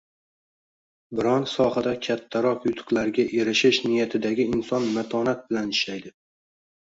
Biron sohada kattaroq yutuqlarga erishish niyatidagi inson matonat bilan ishlaydi